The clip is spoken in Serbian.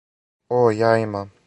О, ја имам.